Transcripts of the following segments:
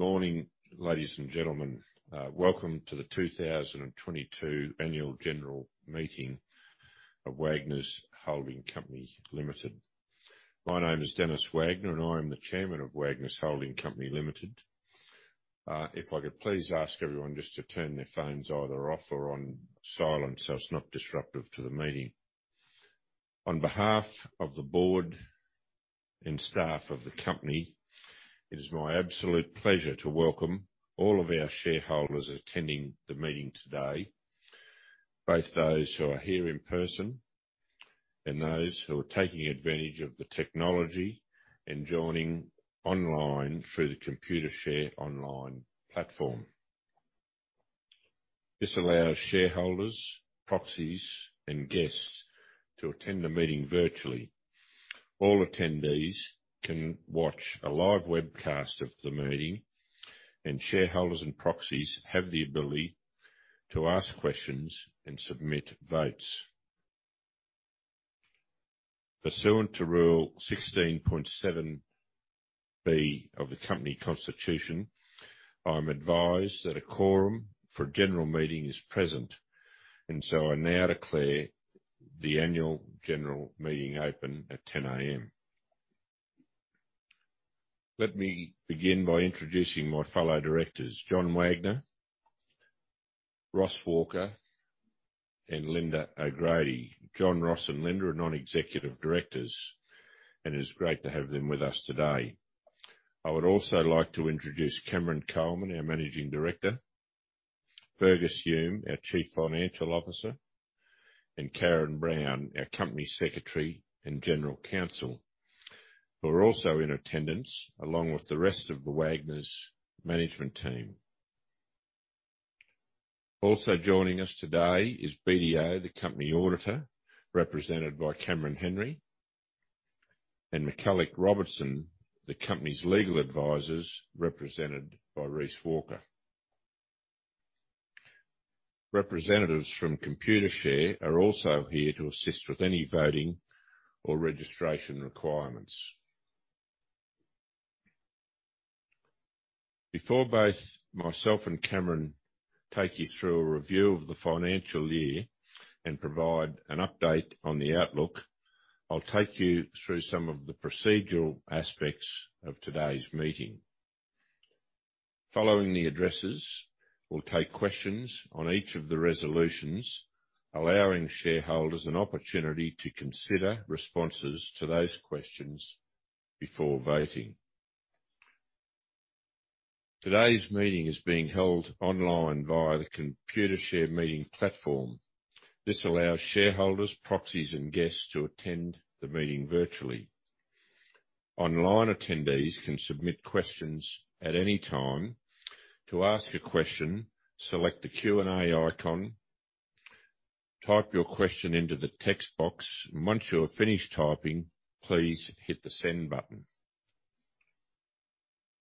Morning, ladies and gentlemen. Welcome to the 2022 Annual General Meeting of Wagners Holding Company Limited. My name is Denis Wagner, and I am the Chairman of Wagners Holding Company Limited. If I could please ask everyone just to turn their phones either off or on silent, so it's not disruptive to the meeting. On behalf of the board and staff of the company, it is my absolute pleasure to welcome all of our shareholders attending the meeting today, both those who are here in person and those who are taking advantage of the technology and joining online through the Computershare online platform. This allows shareholders, proxies and guests to attend the meeting virtually. All attendees can watch a live webcast of the meeting, and shareholders and proxies have the ability to ask questions and submit votes. Pursuant to Rule 16.7(b) of the company constitution, I'm advised that a quorum for a general meeting is present. I now declare the annual general meeting open at 10:00 A.M. Let me begin by introducing my fellow directors, John Wagner, Ross Walker, and Lynda O'Grady. John, Ross and Lynda are non-executive directors, and it's great to have them with us today. I would also like to introduce Cameron Coleman, our Managing Director, Fergus Hume, our Chief Financial Officer, and Karen Brown, our Company Secretary and General Counsel, who are also in attendance, along with the rest of the Wagners management team. Also joining us today is BDO, the company auditor, represented by Cameron Henry, and McCullough Robertson, the company's legal advisors, represented by Reece Walker. Representatives from Computershare are also here to assist with any voting or registration requirements. Before both myself and Cameron take you through a review of the financial year and provide an update on the outlook, I'll take you through some of the procedural aspects of today's meeting. Following the addresses, we'll take questions on each of the resolutions, allowing shareholders an opportunity to consider responses to those questions before voting. Today's meeting is being held online via the Computershare meeting platform. This allows shareholders, proxies and guests to attend the meeting virtually. Online attendees can submit questions at any time. To ask a question, select the Q&A icon, type your question into the text box, and once you have finished typing, please hit the Send button.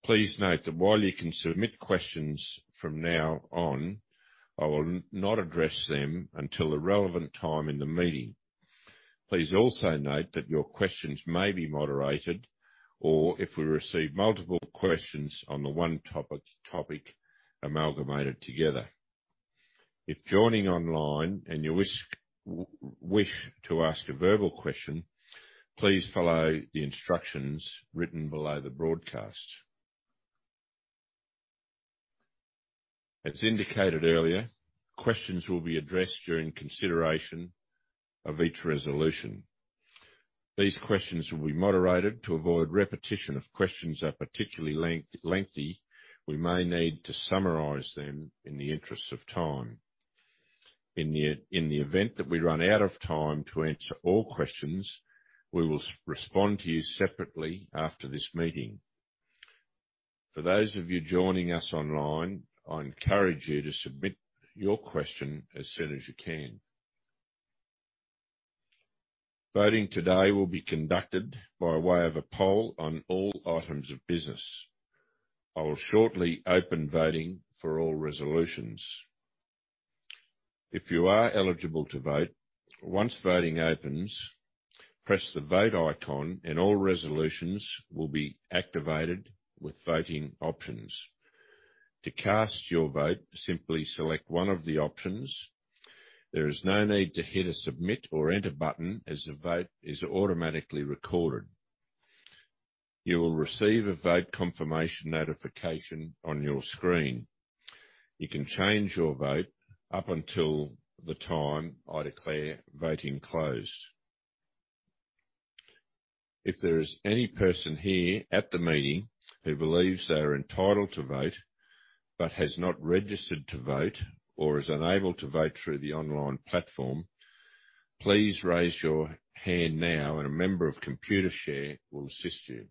Please note that while you can submit questions from now on, I will not address them until the relevant time in the meeting. Please also note that your questions may be moderated or if we receive multiple questions on the one topic amalgamated together. If joining online and you wish to ask a verbal question, please follow the instructions written below the broadcast. As indicated earlier, questions will be addressed during consideration of each resolution. These questions will be moderated to avoid repetition or particularly lengthy questions. We may need to summarize them in the interest of time. In the event that we run out of time to answer all questions, we will respond to you separately after this meeting. For those of you joining us online, I encourage you to submit your question as soon as you can. Voting today will be conducted by way of a poll on all items of business. I will shortly open voting for all resolutions. If you are eligible to vote, once voting opens, press the Vote icon and all resolutions will be activated with voting options. To cast your vote, simply select one of the options. There is no need to hit a Submit or Enter button as the vote is automatically recorded. You will receive a vote confirmation notification on your screen. You can change your vote up until the time I declare voting closed. If there is any person here at the meeting who believes they are entitled to vote but has not registered to vote or is unable to vote through the online platform, please raise your hand now and a member of Computershare will assist you.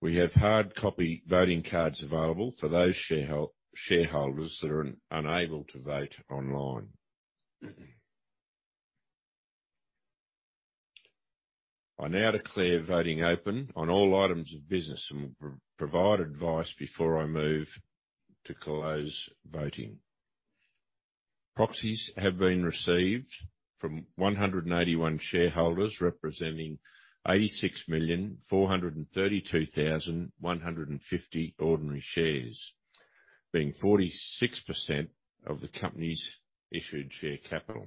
We have hard copy voting cards available for those shareholders that are unable to vote online. I now declare voting open on all items of business and will provide advice before I move to close voting. Proxies have been received from 181 shareholders, representing 86,432,150 ordinary shares, being 46% of the company's issued share capital.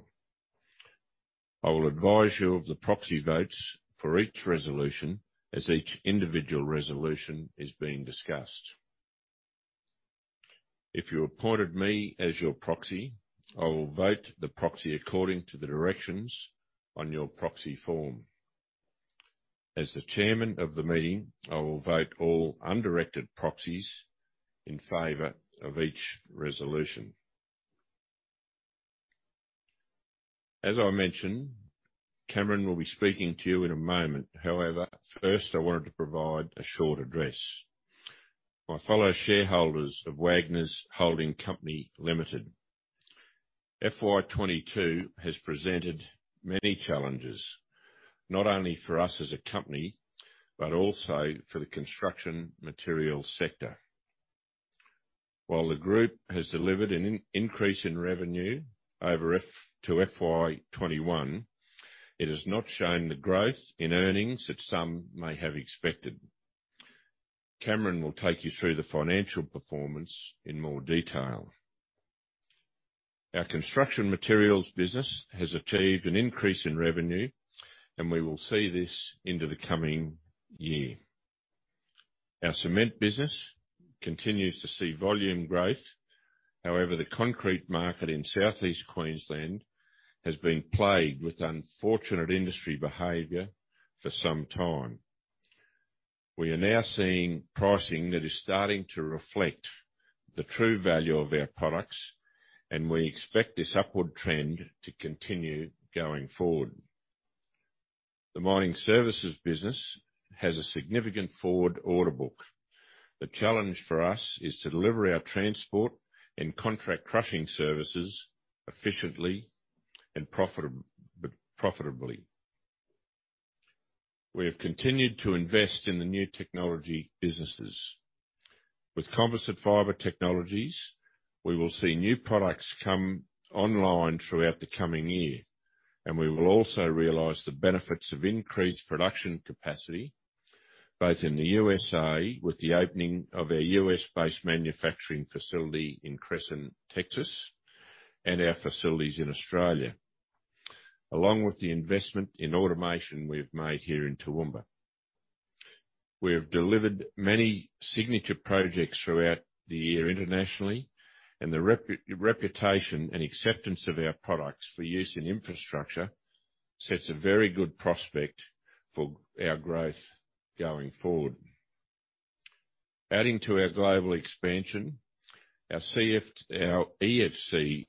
I will advise you of the proxy votes for each resolution as each individual resolution is being discussed. If you appointed me as your proxy, I will vote the proxy according to the directions on your proxy form. As the chairman of the meeting, I will vote all undirected proxies in favor of each resolution. As I mentioned, Cameron will be speaking to you in a moment. However, first, I wanted to provide a short address. My fellow shareholders of Wagners Holding Company Limited, FY 2022 has presented many challenges, not only for us as a company, but also for the construction material sector. While the group has delivered an increase in revenue over FY 2021, it has not shown the growth in earnings that some may have expected. Cameron will take you through the financial performance in more detail. Our construction materials business has achieved an increase in revenue, and we will see this into the coming year. Our cement business continues to see volume growth. However, the concrete market in Southeast Queensland has been plagued with unfortunate industry behavior for some time. We are now seeing pricing that is starting to reflect the true value of our products, and we expect this upward trend to continue going forward. The mining services business has a significant forward order book. The challenge for us is to deliver our transport and contract crushing services efficiently and profitably. We have continued to invest in the new technology businesses. With Composite Fibre Technologies, we will see new products come online throughout the coming year, and we will also realize the benefits of increased production capacity, both in the U.S.A., with the opening of our U.S.-based manufacturing facility in Cresson, Texas, and our facilities in Australia. Along with the investment in automation we've made here in Toowoomba. We have delivered many signature projects throughout the year internationally, and the reputation and acceptance of our products for use in infrastructure sets a very good prospect for our growth going forward. Adding to our global expansion, our EFC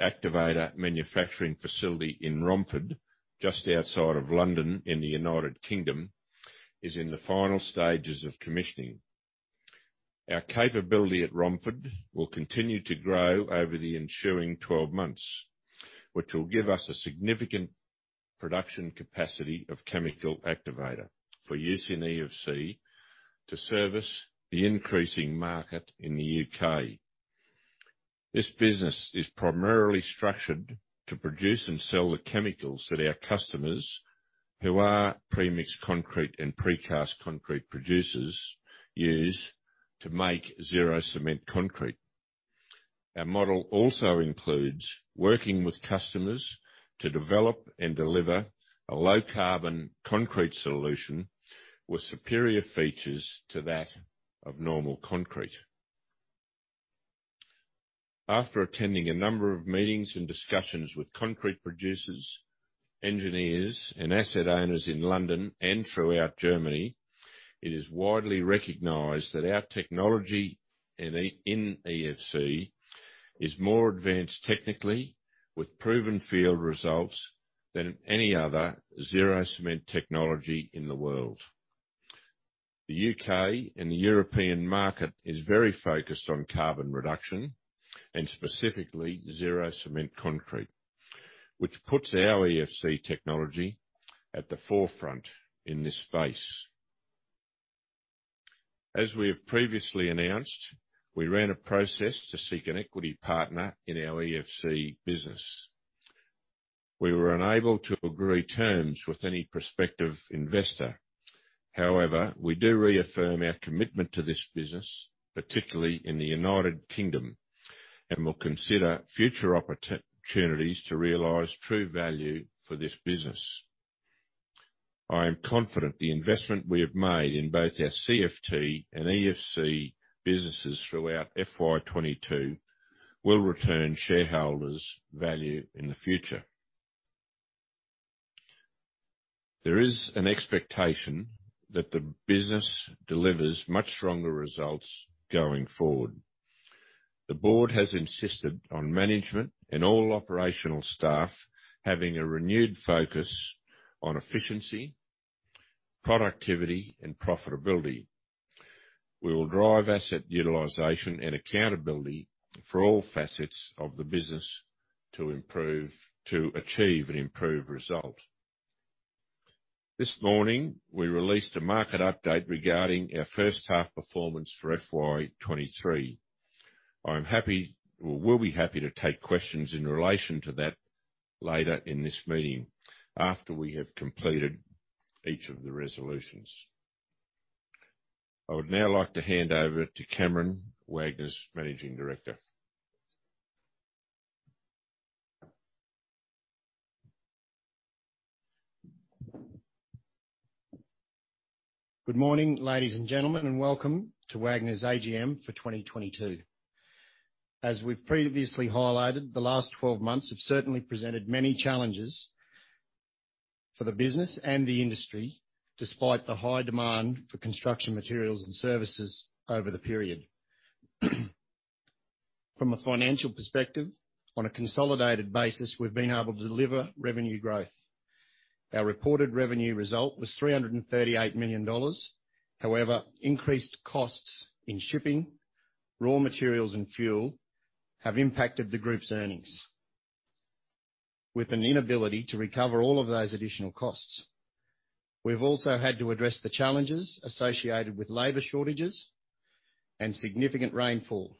activator manufacturing facility in Romford, just outside of London in the United Kingdom, is in the final stages of commissioning. Our capability at Romford will continue to grow over the ensuing 12 months, which will give us a significant production capacity of chemical activator for use in EFC to service the increasing market in the U.K.. This business is primarily structured to produce and sell the chemicals that our customers, who are pre-mix concrete and pre-cast concrete producers, use to make zero cement concrete. Our model also includes working with customers to develop and deliver a low carbon concrete solution with superior features to that of normal concrete. After attending a number of meetings and discussions with concrete producers, engineers, and asset owners in London and throughout Germany, it is widely recognized that our technology in EFC is more advanced technically with proven field results than any other zero cement technology in the world. The U.K.. And the European market is very focused on carbon reduction and specifically zero cement concrete, which puts our EFC technology at the forefront in this space. As we have previously announced, we ran a process to seek an equity partner in our EFC business. We were unable to agree terms with any prospective investor. However, we do reaffirm our commitment to this business, particularly in the United Kingdom, and will consider future opportunities to realize true value for this business. I am confident the investment we have made in both our CFT and EFC businesses throughout FY 2022 will return shareholder value in the future. There is an expectation that the business delivers much stronger results going forward. The board has insisted on management and all operational staff having a renewed focus on efficiency, productivity, and profitability. We will drive asset utilization and accountability for all facets of the business to achieve an improved result. This morning, we released a market update regarding our first half performance for FY 2023. We'll be happy to take questions in relation to that later in this meeting after we have completed each of the resolutions. I would now like to hand over to Cameron, Wagners’ Managing Director. Good morning, ladies and gentlemen, and welcome to Wagners' AGM for 2022. As we've previously highlighted, the last 12 months have certainly presented many challenges for the business and the industry, despite the high demand for construction materials and services over the period. From a financial perspective, on a consolidated basis, we've been able to deliver revenue growth. Our reported revenue result was 338 million dollars. However, increased costs in shipping, raw materials, and fuel have impacted the group's earnings with an inability to recover all of those additional costs. We've also had to address the challenges associated with labor shortages and significant rainfall.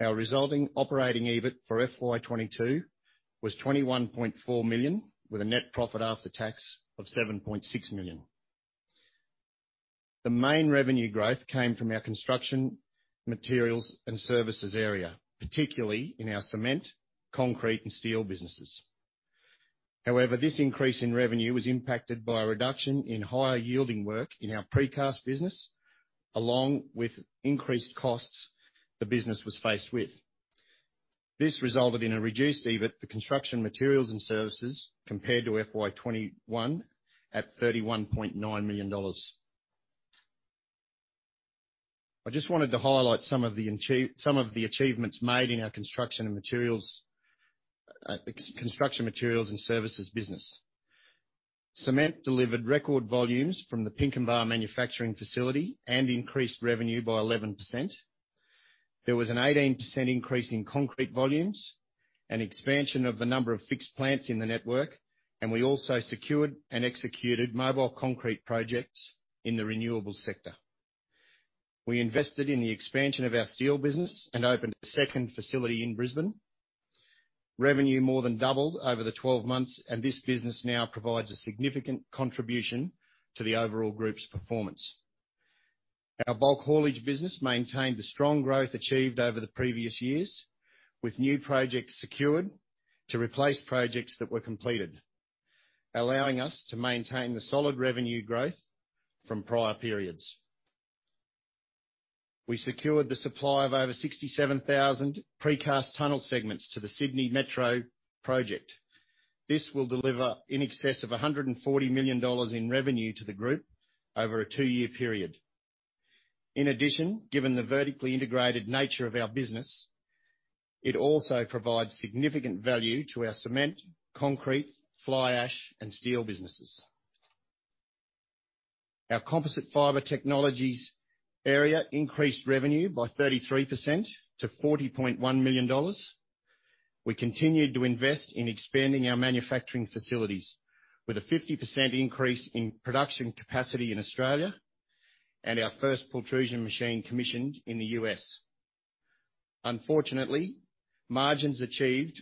Our resulting operating EBIT for FY 2022 was 21.4 million, with a net profit after tax of 7.6 million. The main revenue growth came from our construction materials and services area, particularly in our cement, concrete, and steel businesses. However, this increase in revenue was impacted by a reduction in higher-yielding work in our precast business, along with increased costs the business was faced with. This resulted in a reduced EBIT for construction materials and services compared to FY 2021 at AUD 31.9 million. I just wanted to highlight some of the achievements made in our construction materials and services business. Cement delivered record volumes from the Pinkenba manufacturing facility and increased revenue by 11%. There was an 18% increase in concrete volumes and expansion of the number of fixed plants in the network, and we also secured and executed mobile concrete projects in the renewable sector. We invested in the expansion of our steel business and opened a second facility in Brisbane. Revenue more than doubled over the 12 months, and this business now provides a significant contribution to the overall group's performance. Our bulk haulage business maintained the strong growth achieved over the previous years, with new projects secured to replace projects that were completed, allowing us to maintain the solid revenue growth from prior periods. We secured the supply of over 67,000 precast tunnel segments to the Sydney Metro project. This will deliver in excess of 140 million dollars in revenue to the group over a two-year period. In addition, given the vertically integrated nature of our business, it also provides significant value to our cement, concrete, fly ash, and steel businesses. Our Composite Fibre Technologies area increased revenue by 33% to 40.1 million dollars. We continued to invest in expanding our manufacturing facilities with a 50% increase in production capacity in Australia and our first pultrusion machine commissioned in the U.S. Unfortunately, margins achieved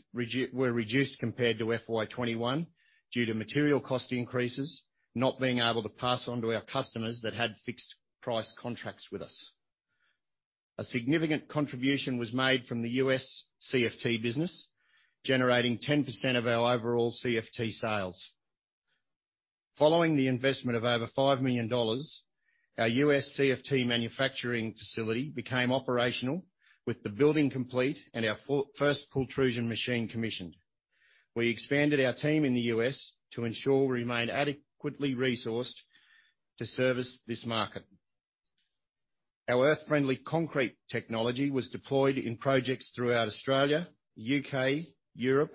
were reduced compared to FY 2021 due to material cost increases, not being able to pass on to our customers that had fixed price contracts with us. A significant contribution was made from the U.S. CFT business, generating 10% of our overall CFT sales. Following the investment of over $5 million, our U.S. CFT manufacturing facility became operational with the building complete and our first pultrusion machine commissioned. We expanded our team in the U.S. to ensure we remain adequately resourced to service this market. Our Earth Friendly Concrete technology was deployed in projects throughout Australia, U.K., Europe,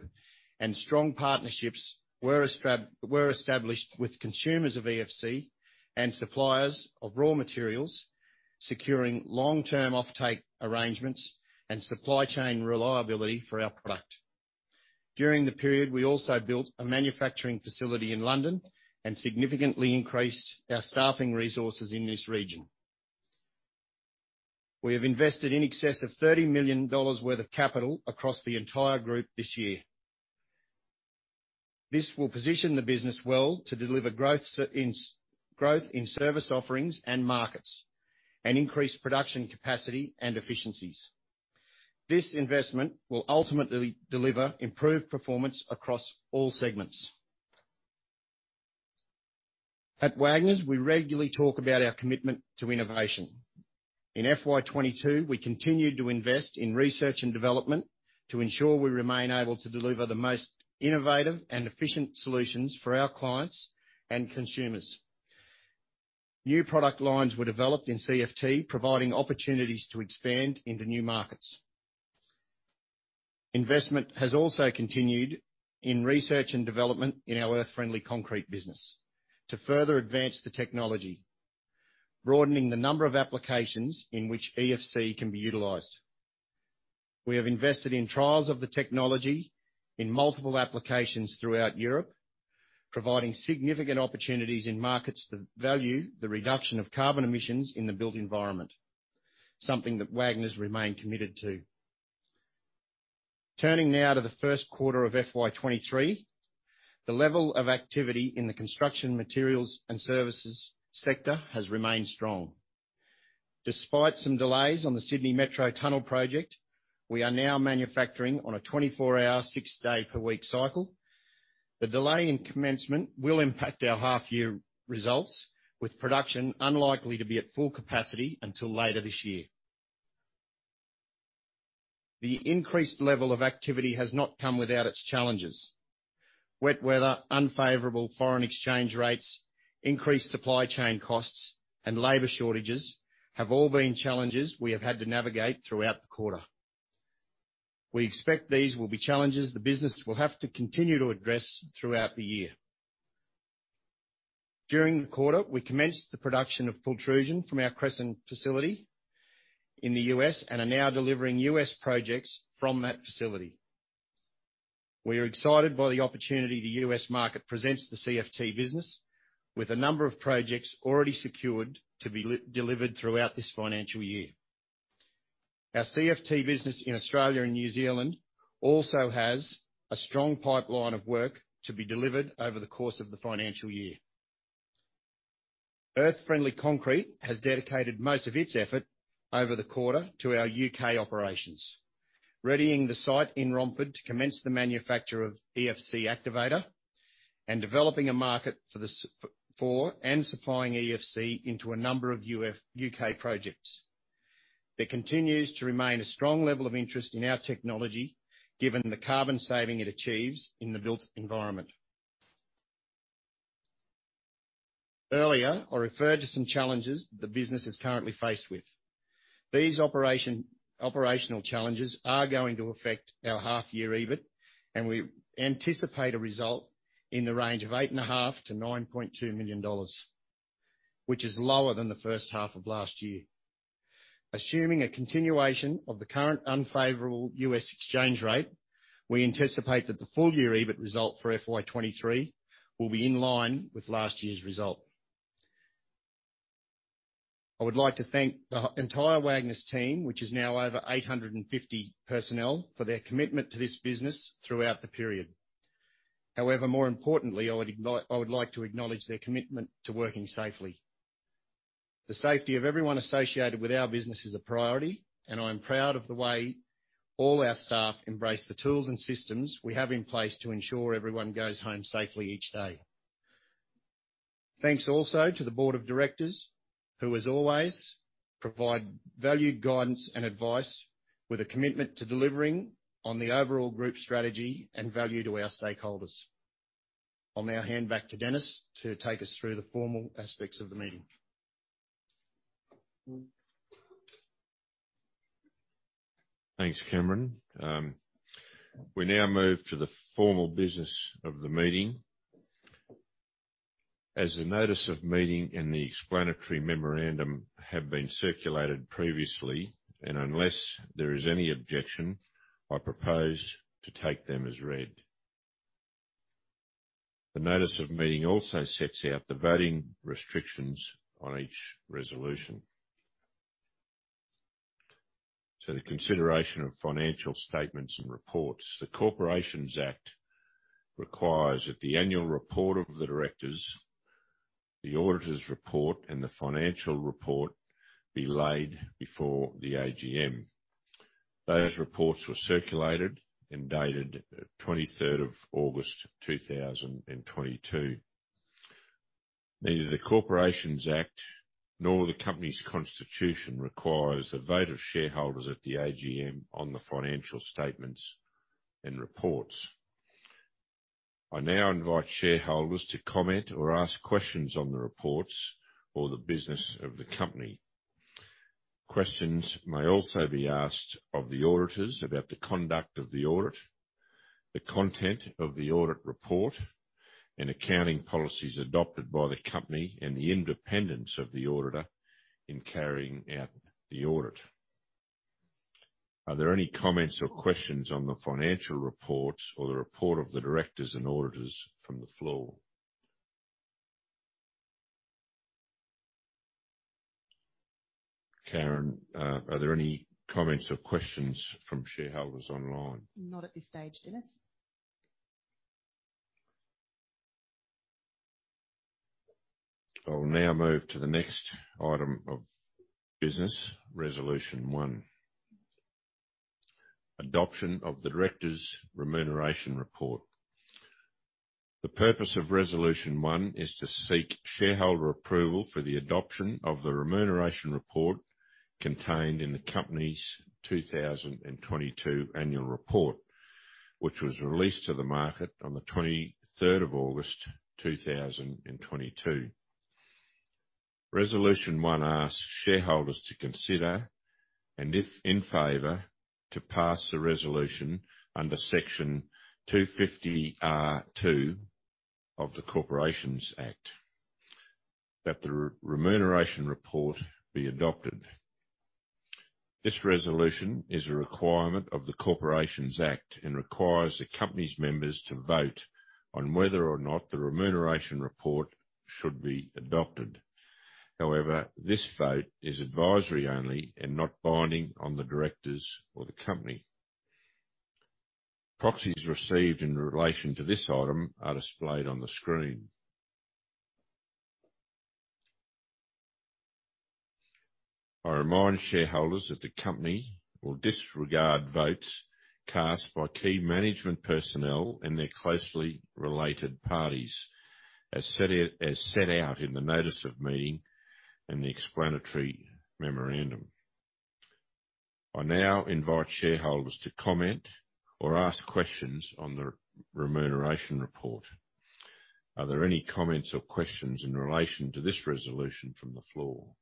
and strong partnerships were established with consumers of EFC and suppliers of raw materials, securing long-term offtake arrangements and supply chain reliability for our product. During the period, we also built a manufacturing facility in London and significantly increased our staffing resources in this region. We have invested in excess of 30 million dollars worth of capital across the entire group this year. This will position the business well to deliver growth in service offerings and markets and increase production capacity and efficiencies. This investment will ultimately deliver improved performance across all segments. At Wagners, we regularly talk about our commitment to innovation. In FY 2022, we continued to invest in research and development to ensure we remain able to deliver the most innovative and efficient solutions for our clients and consumers. New product lines were developed in CFT, providing opportunities to expand into new markets. Investment has also continued in research and development in our Earth Friendly Concrete business to further advance the technology, broadening the number of applications in which EFC can be utilized. We have invested in trials of the technology in multiple applications throughout Europe, providing significant opportunities in markets that value the reduction of carbon emissions in the built environment, something that Wagners remain committed to. Turning now to the first quarter of FY 2023, the level of activity in the construction materials and services sector has remained strong. Despite some delays on the Sydney Metro Tunnel project, we are now manufacturing on a 24-hour, six-day per week cycle. The delay in commencement will impact our half year results, with production unlikely to be at full capacity until later this year. The increased level of activity has not come without its challenges. Wet weather, unfavorable foreign exchange rates, increased supply chain costs, and labor shortages have all been challenges we have had to navigate throughout the quarter. We expect these will be challenges the business will have to continue to address throughout the year. During the quarter, we commenced the production of pultrusion from our Cresson facility in the U.S., and are now delivering U.S. projects from that facility. We are excited by the opportunity the U.S. market presents the CFT business with a number of projects already secured to be delivered throughout this financial year. Our CFT business in Australia and New Zealand also has a strong pipeline of work to be delivered over the course of the financial year. Earth Friendly Concrete has dedicated most of its effort over the quarter to our U.K. operations, readying the site in Romford to commence the manufacture of EFC Activator and developing a market for, and supplying EFC into a number of U.K. projects. There continues to remain a strong level of interest in our technology given the carbon saving it achieves in the built environment. Earlier, I referred to some challenges the business is currently faced with. These operational challenges are going to affect our half year EBIT, and we anticipate a result in the range of 8.5 million-9.2 million dollars, which is lower than the first half of last year. Assuming a continuation of the current unfavorable U.S. exchange rate, we anticipate that the full year EBIT result for FY 2023 will be in line with last year's result. I would like to thank the entire Wagners team, which is now over 850 personnel, for their commitment to this business throughout the period. However, more importantly, I would like to acknowledge their commitment to working safely. The safety of everyone associated with our business is a priority, and I am proud of the way all our staff embrace the tools and systems we have in place to ensure everyone goes home safely each day. Thanks also to the board of directors, who as always, provide valued guidance and advice with a commitment to delivering on the overall group strategy and value to our stakeholders. I'll now hand back to Denis to take us through the formal aspects of the meeting. Thanks, Cameron. We now move to the formal business of the meeting. As the notice of meeting and the explanatory memorandum have been circulated previously, and unless there is any objection, I propose to take them as read. The notice of meeting also sets out the voting restrictions on each resolution. The consideration of financial statements and reports. The Corporations Act requires that the annual report of the directors, the auditors' report, and the financial report be laid before the AGM. Those reports were circulated and dated 23rd of August 2022. Neither the Corporations Act nor the company's constitution requires the vote of shareholders at the AGM on the financial statements and reports. I now invite shareholders to comment or ask questions on the reports or the business of the company. Questions may also be asked of the auditors about the conduct of the audit, the content of the audit report, and accounting policies adopted by the company, and the independence of the auditor in carrying out the audit. Are there any comments or questions on the financial reports or the report of the directors and auditors from the floor? Karen, are there any comments or questions from shareholders online? Not at this stage, Denis. I will now move to the next item of business, resolution one. Adoption of the directors' remuneration report. The purpose of resolution one is to seek shareholder approval for the adoption of the remuneration report contained in the company's 2022 annual report, which was released to the market on the 23rd of August 2022. Resolution one asks shareholders to consider, and if in favor, to pass the resolution under Section 250R of the Corporations Act that the remuneration report be adopted. This resolution is a requirement of the Corporations Act and requires the company's members to vote on whether or not the remuneration report should be adopted. However, this vote is advisory only and not binding on the directors or the company. Proxies received in relation to this item are displayed on the screen. I remind shareholders that the company will disregard votes cast by key management personnel and their closely related parties, as set out in the notice of meeting and the explanatory memorandum. I now invite shareholders to comment or ask questions on the remuneration report. Are there any comments or questions in relation to this resolution from the floor?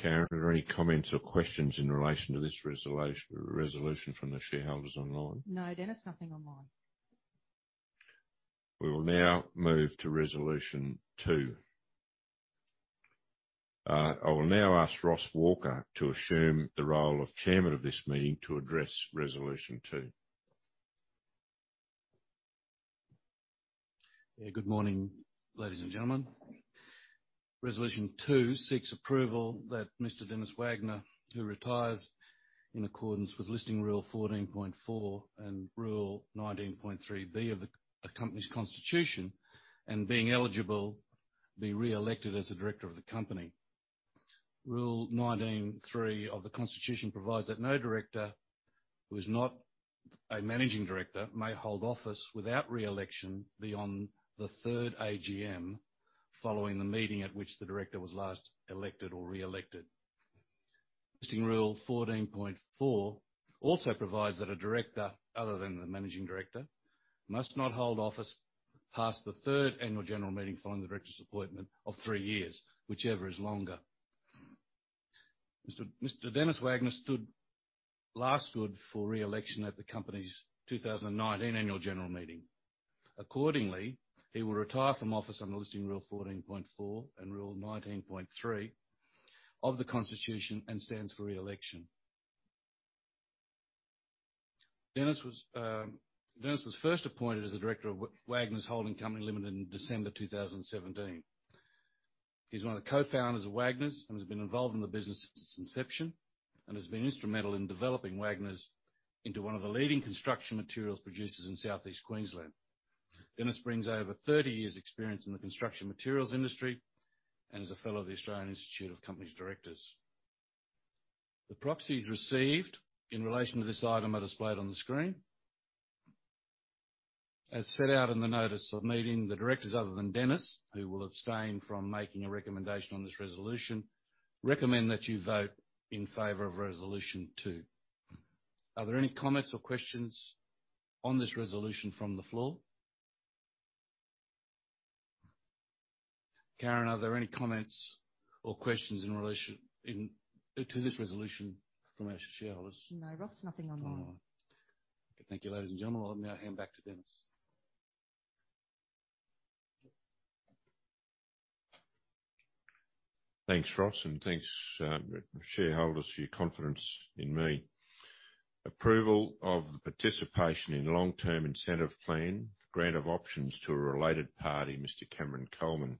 Karen, are there any comments or questions in relation to this resolution from the shareholders online? No, Denis, nothing online. We will now move to resolution two. I will now ask Ross Walker to assume the role of chairman of this meeting to address resolution two. Yeah. Good morning, ladies and gentlemen. Resolution two seeks approval that Mr. Denis Wagner, who retires in accordance with Listing Rule 14.4 and Rule 19.3(b) of the company's constitution, and being eligible, be re-elected as a director of the company. Rule 19.3 of the constitution provides that no director who is not a managing director may hold office without re-election beyond the third AGM following the meeting at which the director was last elected or re-elected. Listing Rule 14.4 also provides that a director, other than the managing director, must not hold office past the third annual general meeting following the director's appointment or three years, whichever is longer. Mr. Denis Wagner last stood for re-election at the company's 2019 annual general meeting. Accordingly, he will retire from office on the Listing Rule 14.4 and Rule 19.3 of the Constitution and stands for re-election. Denis was first appointed as a director of Wagners Holding Company Limited in December 2017. He's one of the co-founders of Wagners and has been involved in the business since its inception and has been instrumental in developing Wagners into one of the leading construction materials producers in Southeast Queensland. Denis brings over 30 years' experience in the construction materials industry and is a fellow of the Australian Institute of Company Directors. The proxies received in relation to this item are displayed on the screen. As set out in the notice of meeting, the directors, other than Denis, who will abstain from making a recommendation on this resolution, recommend that you vote in favor of resolution two. Are there any comments or questions on this resolution from the floor? Karen, are there any comments or questions in relation to this resolution from our shareholders? No, Ross, nothing online. Online. Thank you, ladies and gentlemen. I'll now hand back to Denis. Thanks, Ross, and thanks, shareholders for your confidence in me. Approval of the participation in long-term incentive plan, grant of options to a related party, Mr. Cameron Coleman.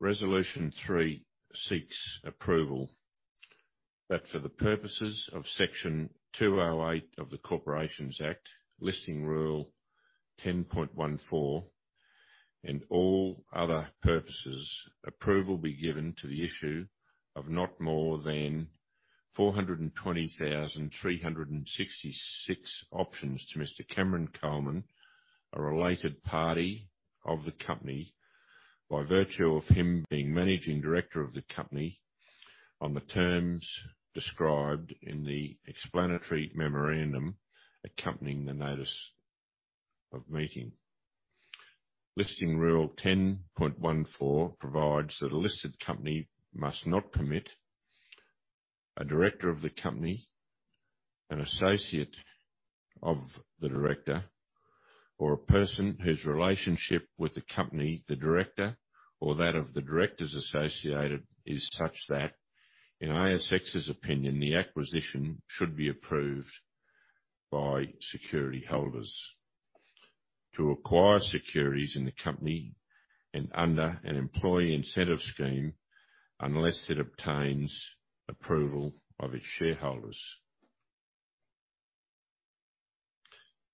Resolution 3 seeks approval that for the purposes of Section 208 of the Corporations Act, Listing Rule 10.14, and all other purposes, approval be given to the issue of not more than 420,366 options to Mr. Cameron Coleman, a related party of the company, by virtue of him being Managing Director of the company on the terms described in the explanatory memorandum accompanying the notice of meeting. Listing Rule 10.14 provides that a listed company must not permit a director of the company, an associate of the director, or a person whose relationship with the company, the director, or that of the directors associated is such that, in ASX's opinion, the acquisition should be approved by security holders to acquire securities in the company under an employee incentive scheme, unless it obtains approval of its shareholders.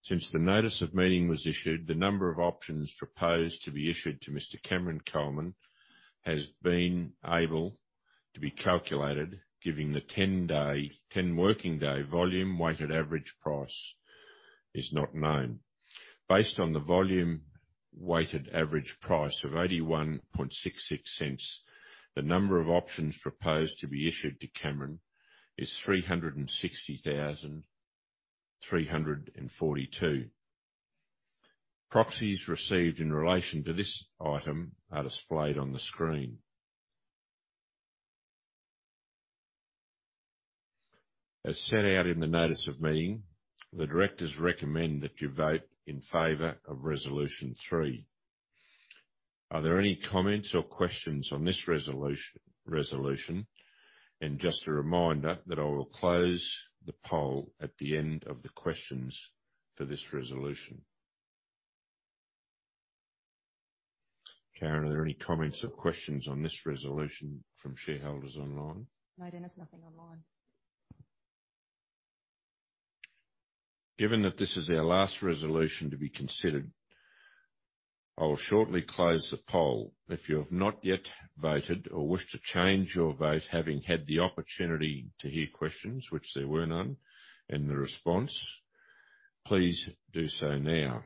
Since the notice of meeting was issued, the number of options proposed to be issued to Mr. Cameron Coleman has been able to be calculated, giving the 10 working day volume weighted average price is not known. Based on the volume weighted average price of 0.8166, the number of options proposed to be issued to Cameron is 360,342. Proxies received in relation to this item are displayed on the screen. As set out in the notice of meeting, the directors recommend that you vote in favor of resolution three. Are there any comments or questions on this resolution? Just a reminder that I will close the poll at the end of the questions for this resolution. Karen, are there any comments or questions on this resolution from shareholders online? No, Denis, nothing online. Given that this is our last resolution to be considered, I will shortly close the poll. If you have not yet voted or wish to change your vote, having had the opportunity to hear questions, which there were none, and the response, please do so now.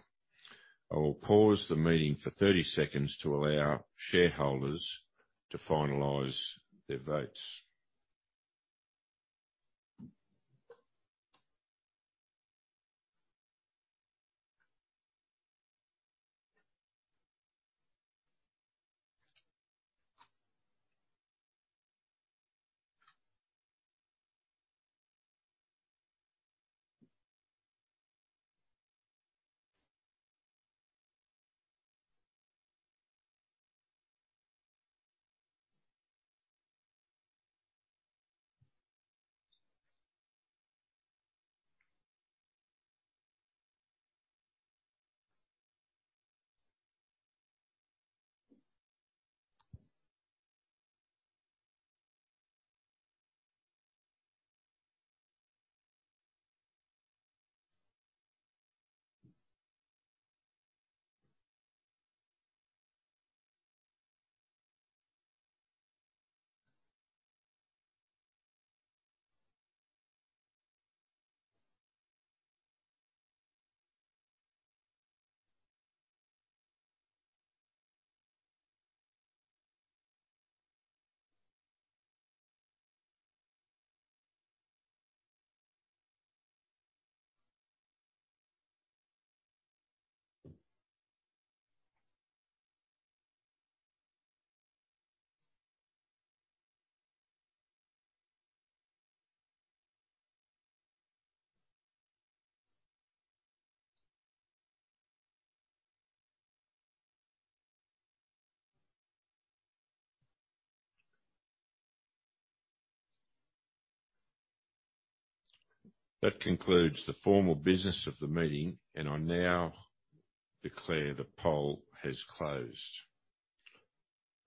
I will pause the meeting for 30 seconds to allow shareholders to finalize their votes. That concludes the formal business of the meeting, and I now declare the poll has closed.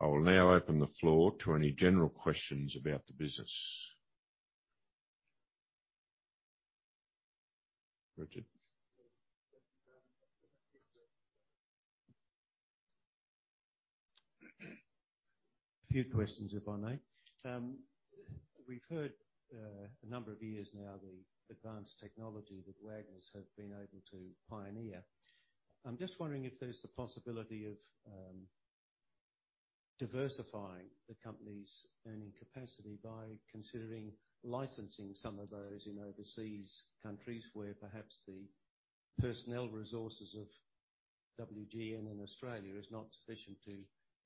I will now open the floor to any general questions about the business. Richard. A few questions, if I may. We've heard a number of years now, the advanced technology that Wagners have been able to pioneer. I'm just wondering if there's the possibility of diversifying the company's earning capacity by considering licensing some of those in overseas countries where perhaps the personnel resources of WGN in Australia is not sufficient to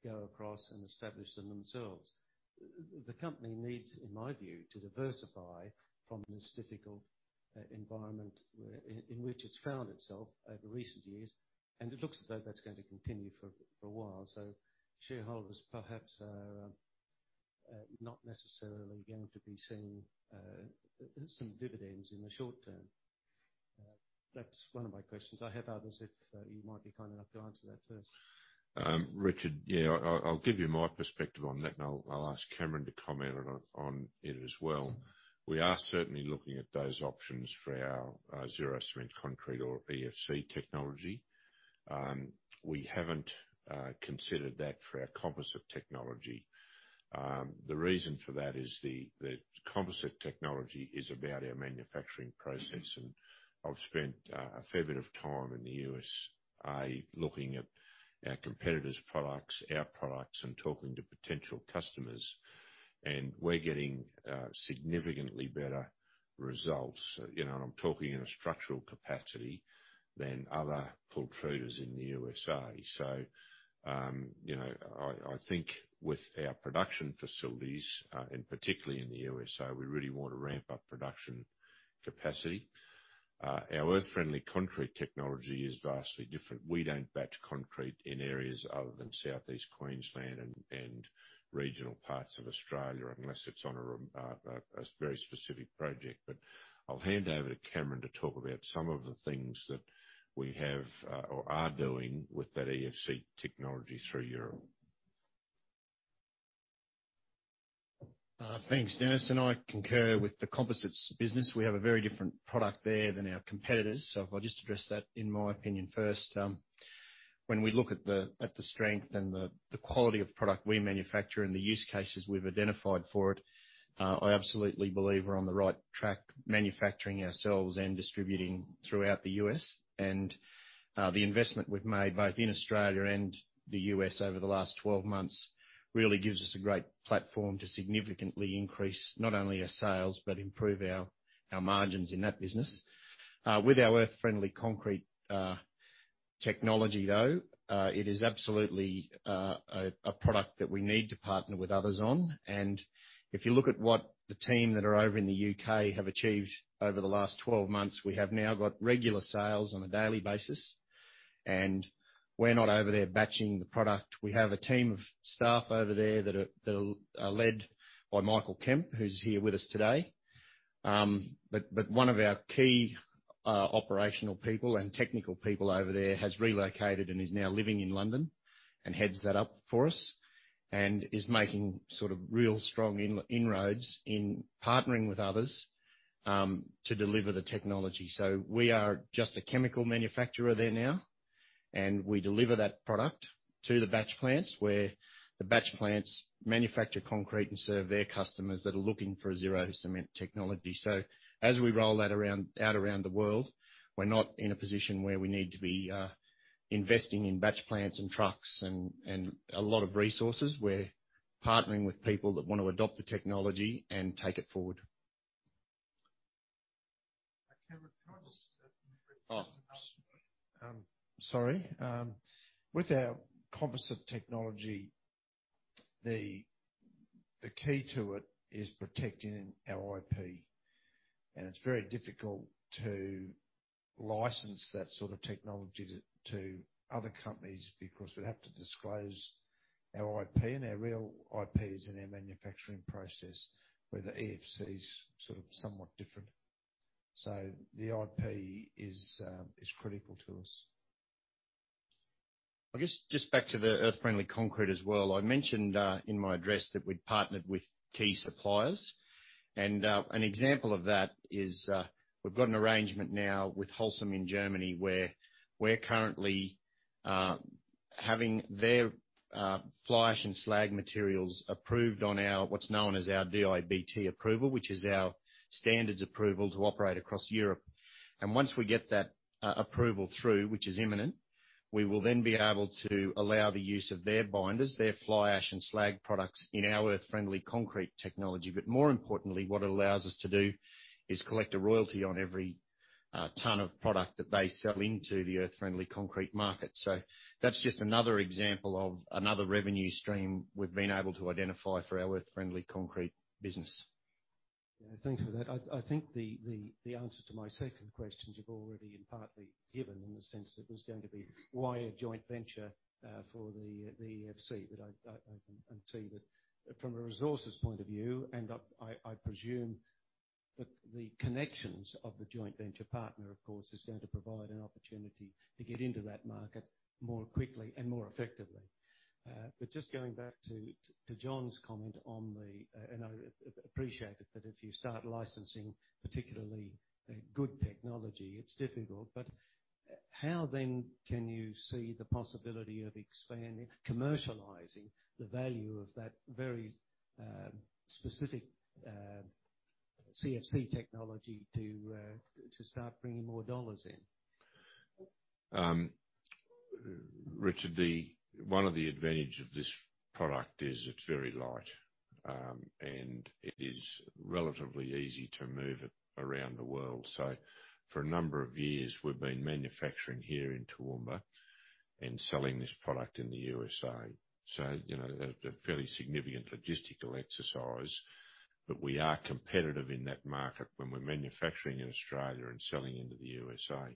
go across and establish them themselves. The company needs, in my view, to diversify from this difficult environment in which it's found itself over recent years, and it looks as though that's going to continue for a while. Shareholders perhaps are not necessarily going to be seeing some dividends in the short term. That's one of my questions. I have others, if you might be kind enough to answer that first. Richard, yeah, I'll give you my perspective on that, and I'll ask Cameron to comment on it as well. We are certainly looking at those options for our zero-cement concrete or EFC technology. We haven't considered that for our composite technology. The reason for that is the composite technology is about our manufacturing process. I've spent a fair bit of time in the U.S.A. looking at our competitors' products, our products, and talking to potential customers. We're getting significantly better results. You know, I'm talking in a structural capacity than other pultruders in the U.S.A.. I think with our production facilities and particularly in the U.S.A., we really want to ramp up production capacity. Our Earth Friendly Concrete technology is vastly different. We don't batch concrete in areas other than Southeast Queensland and regional parts of Australia unless it's on a very specific project. I'll hand over to Cameron to talk about some of the things that we have or are doing with that EFC technology through Europe. Thanks, Denis. I concur with the composites business. We have a very different product there than our competitors. I'll just address that in my opinion first. When we look at the strength and the quality of product we manufacture and the use cases we've identified for it, I absolutely believe we're on the right track manufacturing ourselves and distributing throughout the U.S.. The investment we've made both in Australia and the U.S. over the last 12 months really gives us a great platform to significantly increase not only our sales, but improve our margins in that business. With our Earth Friendly Concrete technology though, it is absolutely a product that we need to partner with others on. If you look at what the team that are over in the U.K. have achieved over the last 12 months, we have now got regular sales on a daily basis. We're not over there batching the product. We have a team of staff over there that are led by Michael Kemp, who's here with us today. But one of our key operational people and technical people over there has relocated and is now living in London and heads that up for us, and is making sort of real strong inroads in partnering with others to deliver the technology. We are just a chemical manufacturer there now, and we deliver that product to the batch plants, where the batch plants manufacture concrete and serve their customers that are looking for zero cement technology. As we roll that around, out around the world, we're not in a position where we need to be investing in batch plants and trucks and a lot of resources. We're partnering with people that wanna adopt the technology and take it forward. Cameron, can I just make a quick? Oh. With our composite technology, the key to it is protecting our IP. It's very difficult to license that sort of technology to other companies because we'd have to disclose our IP, and our real IP is in our manufacturing process, where the EFC is sort of somewhat different. The IP is critical to us. I guess, just back to the Earth Friendly Concrete as well. I mentioned in my address that we'd partnered with key suppliers. An example of that is, we've got an arrangement now with Holcim in Germany, where we're currently having their fly ash and slag materials approved on our, what's known as our DIBt approval, which is our standards approval to operate across Europe. Once we get that approval through, which is imminent, we will then be able to allow the use of their binders, their fly ash and slag products in our Earth Friendly Concrete technology. More importantly, what it allows us to do is collect a royalty on every ton of product that they sell into the Earth Friendly Concrete market. that's just another example of another revenue stream we've been able to identify for our Earth Friendly Concrete business. Yeah, thanks for that. I think the answer to my second question you've already partly given in the sense it was going to be why a joint venture for the EFC. I can see that from a resources point of view, and I presume the connections of the joint venture partner, of course, is going to provide an opportunity to get into that market more quickly and more effectively. Just going back to John's comment, and I appreciate it, that if you start licensing particularly a good technology, it's difficult. How then can you see the possibility of expanding, commercializing the value of that very specific CFT technology to start bringing more dollars in? Richard, one of the advantage of this product is it's very light. It is relatively easy to move it around the world. For a number of years, we've been manufacturing here in Toowoomba and selling this product in the U.S.A.. You know, a fairly significant logistical exercise, but we are competitive in that market when we're manufacturing in Australia and selling into the U.S.A.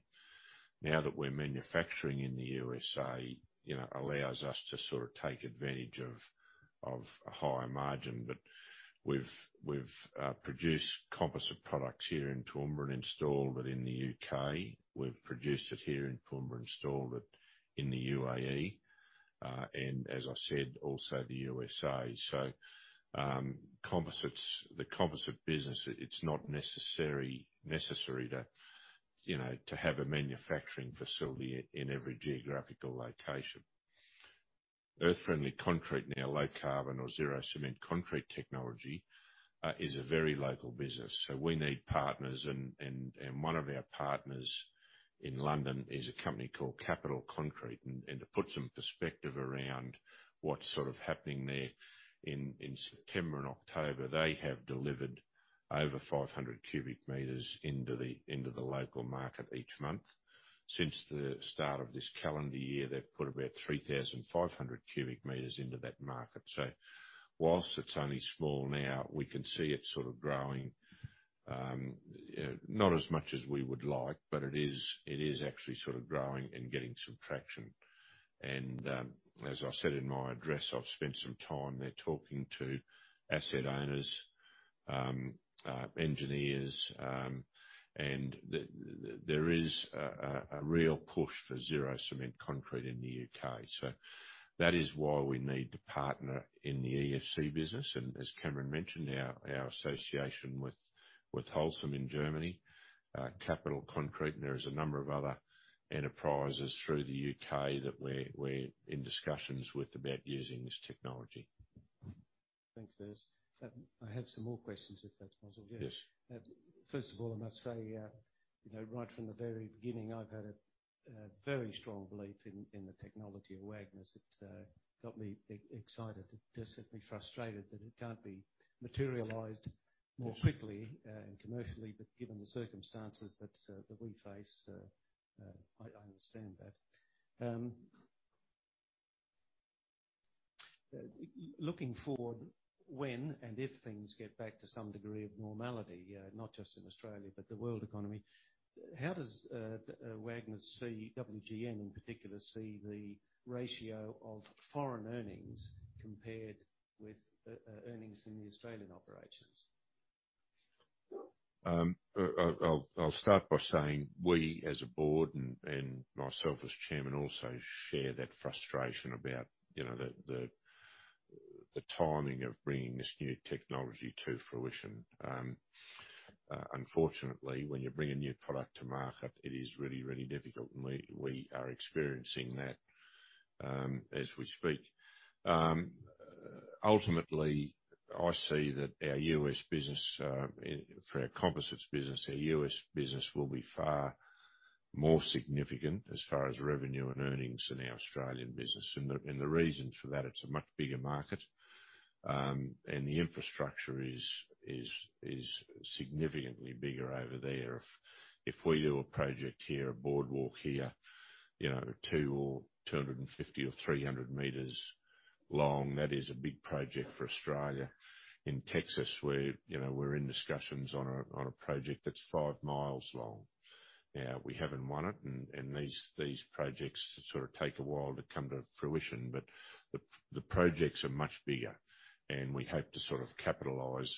.Now that we're manufacturing in the U.S.A, you know, allows us to sort of take advantage of a higher margin. We've produced composite products here in Toowoomba and installed it in the U.K.. We've produced it here in Toowoomba and installed it in the UAE. As I said, also the U.S.A. Composites, the composite business, it's not necessary to you know, to have a manufacturing facility in every geographical location. Earth Friendly Concrete, now low carbon or zero cement concrete technology, is a very local business, so we need partners and one of our partners in London is a company called Capital Concrete. To put some perspective around what's sort of happening there in September and October, they have delivered over 500 cubic meters into the local market each month. Since the start of this calendar year, they've put about 3,500 cubic meters into that market. While it's only small now, we can see it sort of growing. Not as much as we would like, but it is actually sort of growing and getting some traction. As I said in my address, I've spent some time there talking to asset owners, engineers, and there is a real push for zero cement concrete in the U.K.. That is why we need to partner in the EFC business. As Cameron mentioned, our association with Holcim in Germany, Capital Concrete, and there is a number of other enterprises through the U.K. that we're in discussions with about using this technology. Thanks, Les. I have some more questions, if that's possible. Yes. First of all, I must say, you know, right from the very beginning, I've had a very strong belief in the technology of Wagners. It got me excited. It does get me frustrated that it can't be materialized more quickly and commercially. Given the circumstances that we face, I understand that. Looking forward, when and if things get back to some degree of normality, not just in Australia, but the world economy, how does Wagners see, WGN in particular, the ratio of foreign earnings compared with earnings in the Australian operations? I'll start by saying we, as a board and myself as Chairman, also share that frustration about, you know, the timing of bringing this new technology to fruition. Unfortunately, when you bring a new product to market, it is really difficult. We are experiencing that as we speak. Ultimately, I see that our U.S. business in our composites business will be far more significant as far as revenue and earnings than our Australian business. The reason for that, it's a much bigger market, and the infrastructure is significantly bigger over there. If we do a project here, a boardwalk here, you know, 200 or 250 or 300 meters long, that is a big project for Australia. In Texas, you know, we're in discussions on a project that's 5 miles long. We haven't won it. These projects sort of take a while to come to fruition. The projects are much bigger, and we hope to sort of capitalize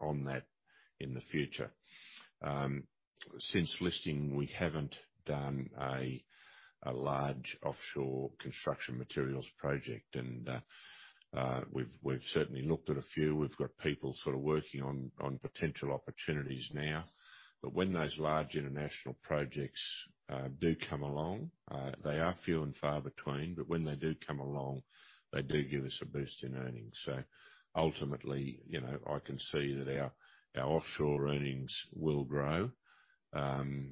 on that in the future. Since listing, we haven't done a large offshore construction materials project. We've certainly looked at a few. We've got people sort of working on potential opportunities now. When those large international projects do come along, they are few and far between, but when they do come along, they do give us a boost in earnings. Ultimately, you know, I can see that our offshore earnings will grow. It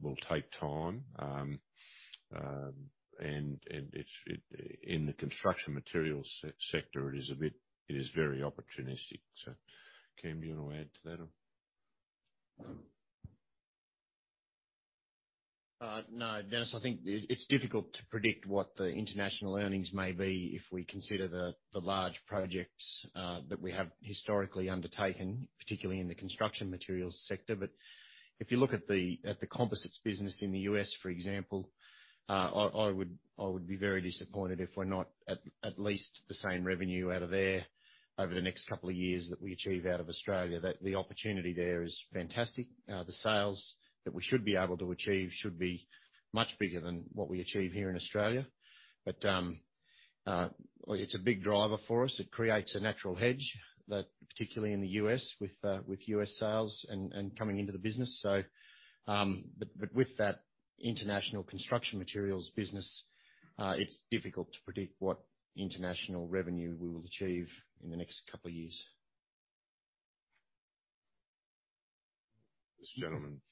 will take time. In the construction materials sector, it is very opportunistic. Cam, do you wanna add to that or? No, Denis, I think it's difficult to predict what the international earnings may be if we consider the large projects that we have historically undertaken, particularly in the construction materials sector. If you look at the composites business in the U.S., for example, I would be very disappointed if we're not at least the same revenue out of there over the next couple of years that we achieve out of Australia. The opportunity there is fantastic. The sales that we should be able to achieve should be much bigger than what we achieve here in Australia. It's a big driver for us. It creates a natural hedge that particularly in the U.S. with U.S. sales and coming into the business. With that international construction materials business, it's difficult to predict what international revenue we will achieve in the next couple of years. This gentleman.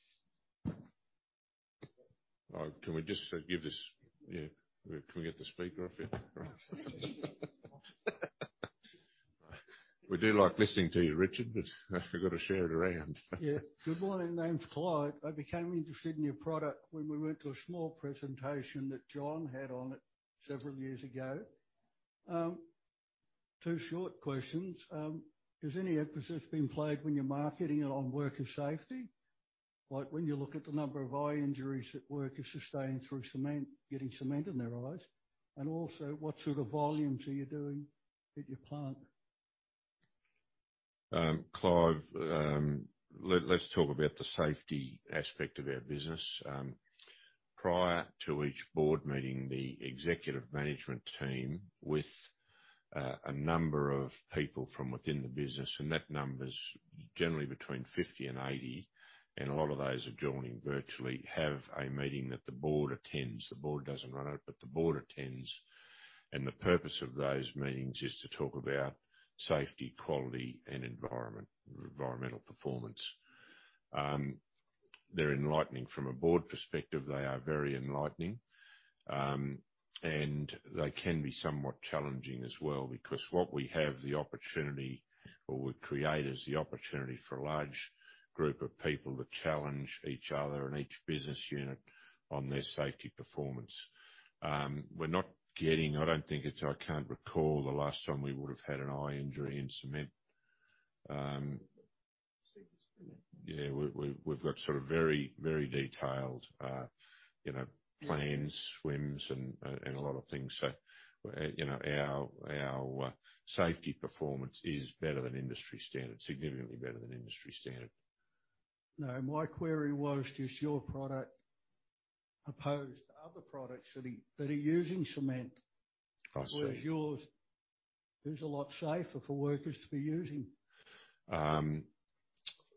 Can we just give this, you know, can we get the speaker off here? We do like listening to you, Richard, but we've got to share it around. Yeah. Good morning. Name's Clive. I became interested in your product when we went to a small presentation that John had on it several years ago. Two short questions. Has any emphasis been placed when you're marketing it on worker safety? Like when you look at the number of eye injuries that workers sustain through cement, getting cement in their eyes. Also, what sort of volumes are you doing at your plant? Clive, let's talk about the safety aspect of our business. Prior to each board meeting, the executive management team with a number of people from within the business, and that number's generally between 50 and 80, and a lot of those are joining virtually, have a meeting that the board attends. The board doesn't run it, but the board attends. The purpose of those meetings is to talk about safety, quality, and environment, environmental performance. They're enlightening. From a board perspective, they are very enlightening. They can be somewhat challenging as well because what we have the opportunity or we create is the opportunity for a large group of people to challenge each other and each business unit on their safety performance. We're not getting, I don't think it's, I can't recall the last time we would have had an eye injury in cement. Yeah, we've got sort of very detailed, you know, plans, SWMS and a lot of things. You know, our safety performance is better than industry standard, significantly better than industry standard. No, my query was, does your product opposed to other products that are using cement- I see. Whereas yours is a lot safer for workers to be using.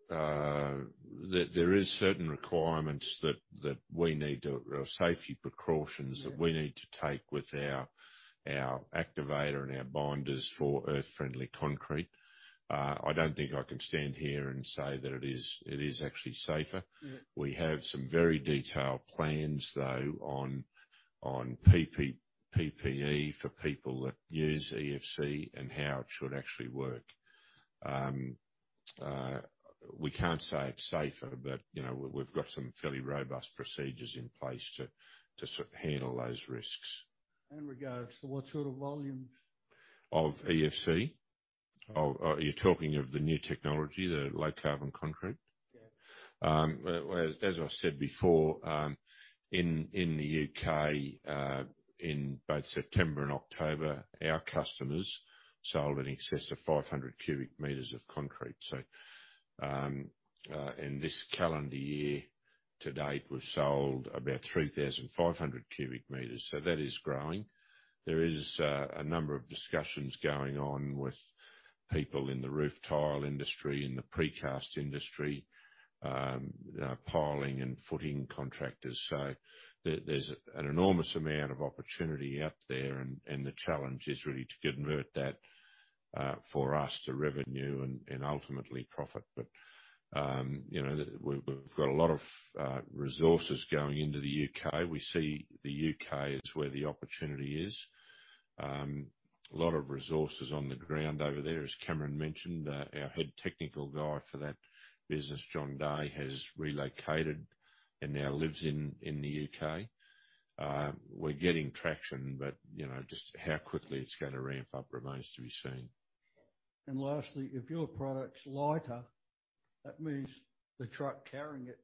There is certain requirements that we need to, or safety precautions. Yeah that we need to take with our activator and our binders for Earth Friendly Concrete. I don't think I can stand here and say that it is actually safer. Yeah. We have some very detailed plans, though, on PPE for people that use EFC and how it should actually work. We can't say it's safer, but, you know, we've got some fairly robust procedures in place to sort of handle those risks. In regards to what sort of volumes? Of EFC? Oh, you're talking of the new technology, the low-carbon concrete? Yeah. Well, as I've said before, in the U.K., in both September and October, our customers sold in excess of 500 cubic meters of concrete. In this calendar year to date, we've sold about 3,500 cubic meters, so that is growing. There is a number of discussions going on with people in the roof tile industry, in the precast industry, piling and footing contractors. There's an enormous amount of opportunity out there and the challenge is really to convert that for us to revenue and ultimately profit. You know, we've got a lot of resources going into the U.K.. We see the U.K.. As where the opportunity is. A lot of resources on the ground over there. As Cameron mentioned, our head technical guy for that business, John Day, has relocated and now lives in the U.K.. We're getting traction but, you know, just how quickly it's gonna ramp up remains to be seen. Lastly, if your product's lighter, that means the truck carrying it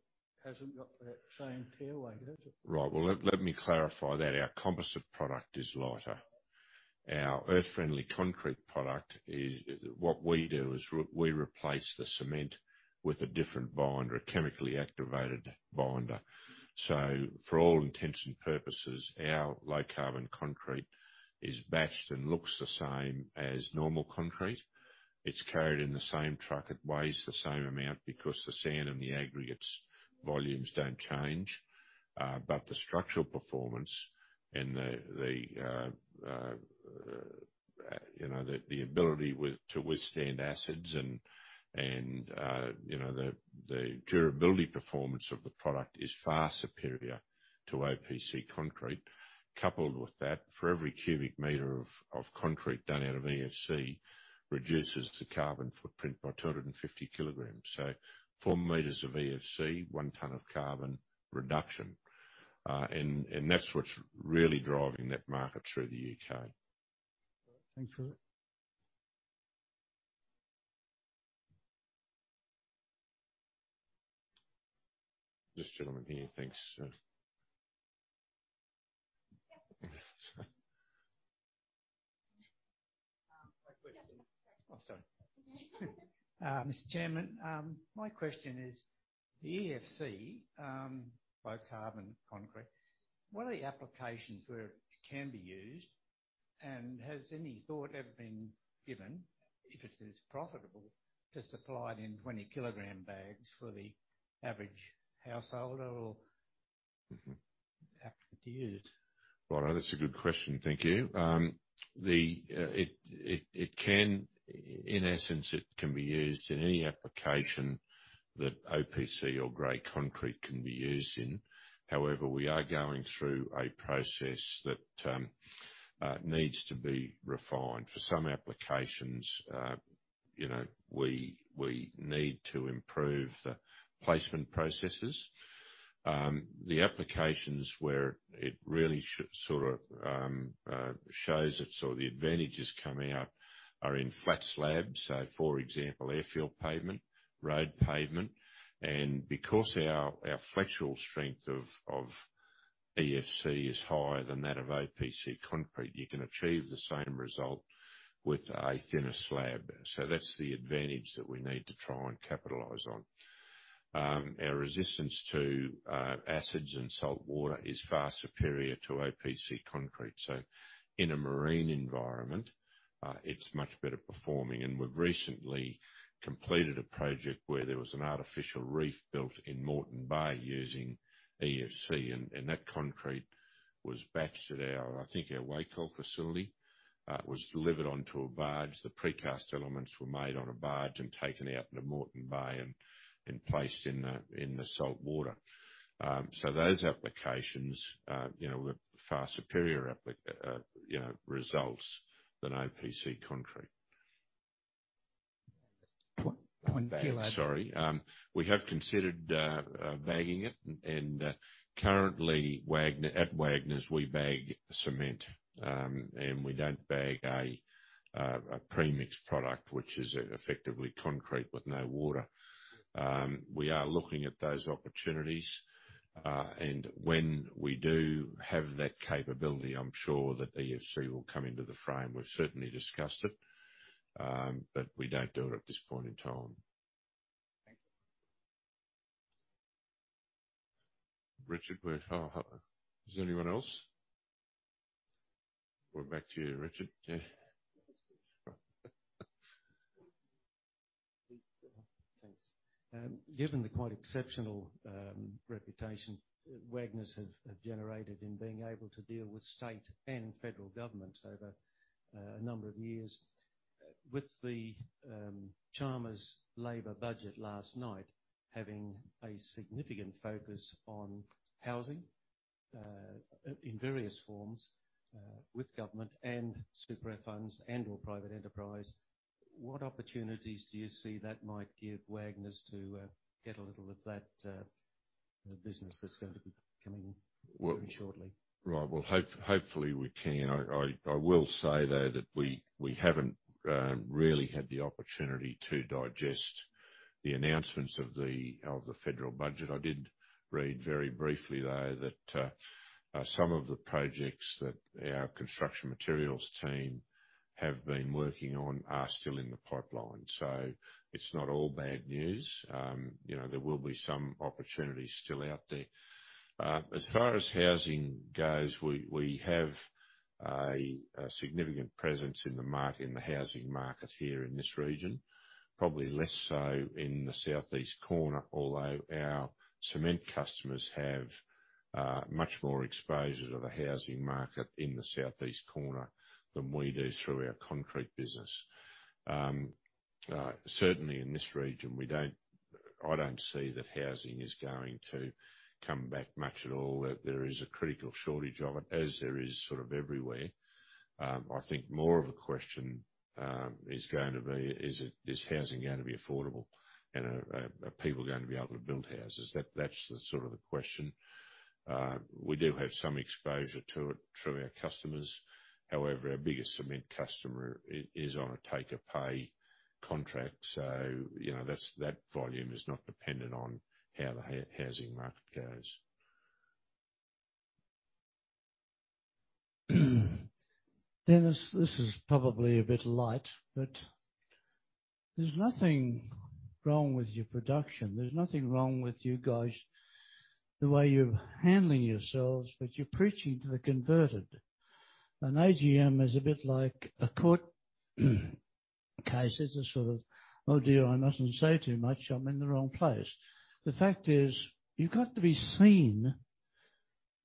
hasn't got that same tare weight, has it? Right. Well, let me clarify that our composite product is lighter. Our Earth Friendly Concrete product is what we do is we replace the cement with a different binder, a chemically activated binder. For all intents and purposes, our low-carbon concrete is batched and looks the same as normal concrete. It's carried in the same truck. It weighs the same amount because the sand and the aggregates' volumes don't change. But the structural performance and you know, the ability to withstand acids and you know, the durability performance of the product is far superior to OPC concrete. Coupled with that, for every cubic meter of concrete done out of EFC reduces the carbon footprint by 250 kilograms. Four meters of EFC, 1 ton of carbon reduction. That's what's really driving that market through the U.K.. Thanks for that. This gentleman here. Thanks, sir. My question. Yeah. Mr. Chairman, my question is, the EFC low-carbon concrete, what are the applications where it can be used? Has any thought ever been given, if it is profitable, to supply it in 20-kilogram bags for the average householder or- Mm-hmm. How to use it? Righto. That's a good question. Thank you. It can, in essence, be used in any application that OPC or gray concrete can be used in. However, we are going through a process that needs to be refined. For some applications, you know, we need to improve the placement processes. The applications where it really sort of shows its sort of the advantages coming out are in flat slabs. For example, airfield pavement, road pavement, and because our flexural strength of EFC is higher than that of OPC concrete, you can achieve the same result with a thinner slab. That's the advantage that we need to try and capitalize on. Our resistance to acids and saltwater is far superior to OPC concrete, so in a marine environment, it's much better performing. We've recently completed a project where there was an artificial reef built in Moreton Bay using EFC and that concrete was batched at our, I think, our Wacol facility. It was delivered onto a barge. The precast elements were made on a barge and taken out into Moreton Bay and placed in the saltwater. Those applications, you know, were far superior results than OPC concrete. Just one kilo. Sorry. We have considered bagging it and currently at Wagners, we bag cement. We don't bag a premixed product, which is effectively concrete with no water. We are looking at those opportunities and when we do have that capability, I'm sure that EFC will come into the frame. We've certainly discussed it, but we don't do it at this point in time. Thank you. Richard, oh, is there anyone else? We're back to you, Richard. Yeah. Thanks. Given the quite exceptional reputation Wagners have generated in being able to deal with state and federal governments over a number of years, with the Chalmers Labor budget last night having a significant focus on housing. In various forms, with government and super funds and/or private enterprise. What opportunities do you see that might give Wagners to get a little of that business that's gonna be coming pretty shortly? Right. Hopefully, we can. I will say, though, that we haven't really had the opportunity to digest the announcements of the federal budget. I did read very briefly, though, that some of the projects that our construction materials team have been working on are still in the pipeline. It's not all bad news. You know, there will be some opportunities still out there. As far as housing goes, we have a significant presence in the housing market here in this region, probably less so in the southeast corner. Although our cement customers have much more exposure to the housing market in the southeast corner than we do through our concrete business. Certainly in this region, I don't see that housing is going to come back much at all. There is a critical shortage of it, as there is sort of everywhere. I think more of a question is going to be, is it, is housing gonna be affordable and are people gonna be able to build houses? That's the sort of question. We do have some exposure to it through our customers. However, our biggest cement customer is on a take or pay contract. You know, that volume is not dependent on how the housing market goes. Denis, this is probably a bit light, but there's nothing wrong with your production. There's nothing wrong with you guys, the way you're handling yourselves, but you're preaching to the converted. An AGM is a bit like a court case. It's a sort of, "Oh, dear, I mustn't say too much. I'm in the wrong place." The fact is, you've got to be seen,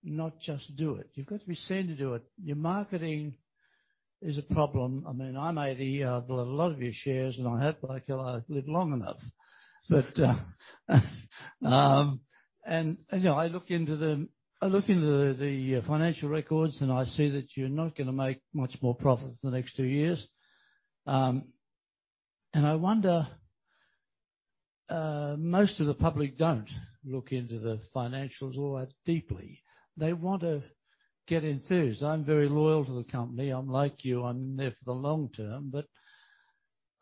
not just do it. You've got to be seen to do it. Your marketing is a problem. I mean, I'm 80. I've got a lot of your shares, and I hope I can live long enough. But, and you know, I look into the financial records, and I see that you're not gonna make much more profit for the next two years. I wonder, most of the public don't look into the financials all that deeply. They want to get enthused. I'm very loyal to the company. I'm like you. I'm there for the long term, but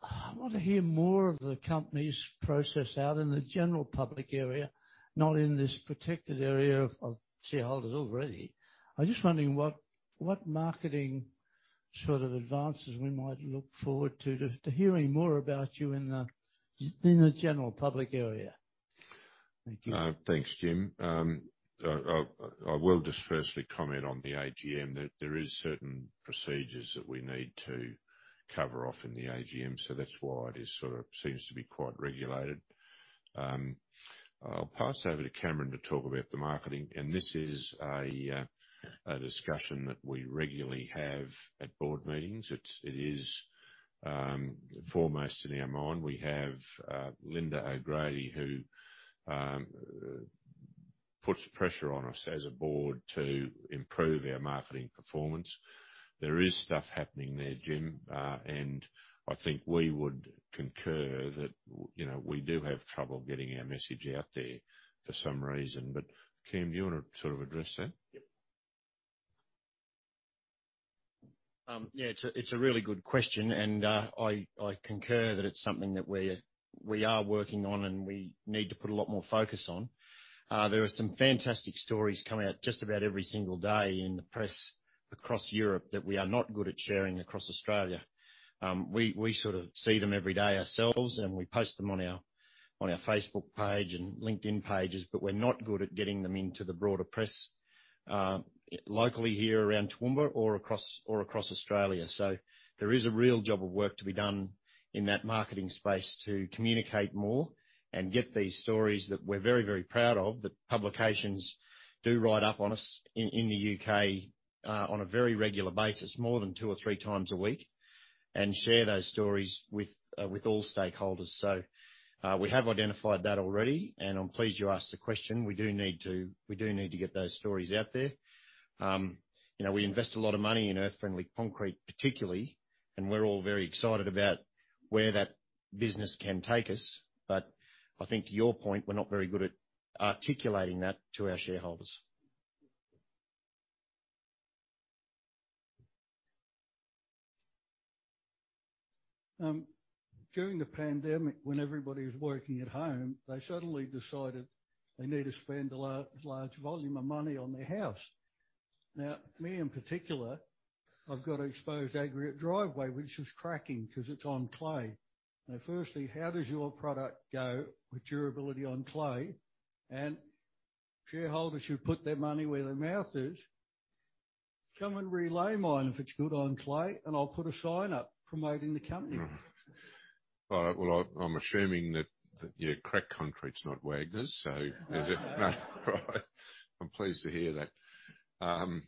I want to hear more of the company's progress out in the general public area, not in this protected area of shareholders already. I'm just wondering what marketing sort of advances we might look forward to hearing more about you in the general public area. Thank you. Thanks, Jim. I will just firstly comment on the AGM that there is certain procedures that we need to cover off in the AGM, so that's why it is sort of seems to be quite regulated. I'll pass over to Cameron to talk about the marketing, and this is a discussion that we regularly have at board meetings. It is foremost in our mind. We have Lynda O'Grady, who puts pressure on us as a board to improve our marketing performance. There is stuff happening there, Jim, and I think we would concur that, you know, we do have trouble getting our message out there for some reason. Cam, do you wanna sort of address that? Yep. Yeah, it's a really good question, and I concur that it's something that we are working on and we need to put a lot more focus on. There are some fantastic stories coming out just about every single day in the press across Europe that we are not good at sharing across Australia. We sort of see them every day ourselves, and we post them on our Facebook page and LinkedIn pages, but we're not good at getting them into the broader press locally here around Toowoomba or across Australia. There is a real job of work to be done in that marketing space to communicate more and get these stories that we're very, very proud of, that publications do write up on us in the U.K. on a very regular basis, more than 2x or 3x a week, and share those stories with all stakeholders. We have identified that already, and I'm pleased you asked the question. We do need to get those stories out there. You know, we invest a lot of money in Earth Friendly Concrete particularly, and we're all very excited about where that business can take us. I think to your point, we're not very good at articulating that to our shareholders. During the pandemic, when everybody was working at home, they suddenly decided they need to spend a large volume of money on their house. Now, me in particular, I've got an exposed aggregate driveway which is cracking 'cause it's on clay. Now, firstly, how does your product go with durability on clay? Shareholders who put their money where their mouth is, come and replace mine if it's good on clay, and I'll put a sign up promoting the company. All right. Well, I'm assuming that you know, cracked concrete's not Wagners, so is it? Right. I'm pleased to hear that. Our